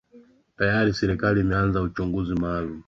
tayari serikali imeanzisha uchunguzi maalumu